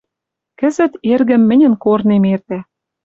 Кӹзӹт эргӹм мӹньӹн корнем эртӓ